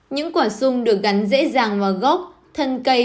những quả sung được gắn dễ dàng vào gốc thân cây